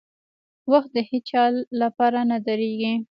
• وخت د هیڅ چا لپاره نه درېږي.